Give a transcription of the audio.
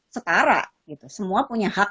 setara semua punya hak